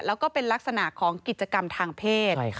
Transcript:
แล้วก็เป็นลักษณะของกิจกรรมทางเพศ